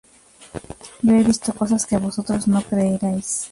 Yo he visto cosas que vosotros no creeríais